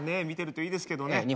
見てるといいですけどね。